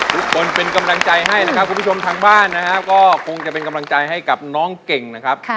ทุกคนเป็นกำลังใจให้นะครับคุณผู้ชมทางบ้านนะครับก็คงจะเป็นกำลังใจให้กับน้องเก่งนะครับ